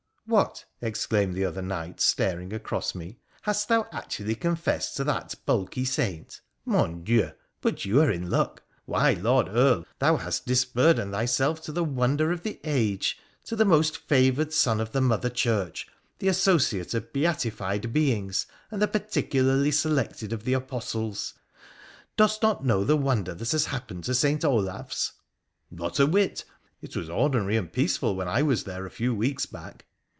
' What !' exclaimed the other Knight, staring across me. ' Hast thou actually confessed to that bulky saint ? Mon Dieu ! but you are in luck ! Why, Lord Earl, thou hast dis burdened thyself to the wonder of the age — to the most favoured son of Mother Church — the associate of beatified beings — and the particularly selected of the Apostles ! Dost not know the wonder that has happened to St. Olaf's ?'' Not a whit. It was ordinary and peaceful when I was there a few weeks back.'